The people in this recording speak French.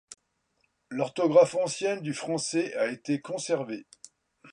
L'orthographe ancienne du français a été conservée.